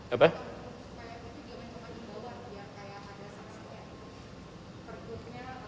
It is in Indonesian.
yang biasa disebut sebagai